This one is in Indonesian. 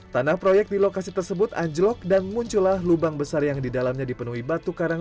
tanah proyek di lokasi tersebut anjlok dan muncullah lubang besar yang di dalamnya dipenuhi batu karang